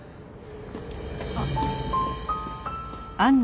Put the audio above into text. あっ。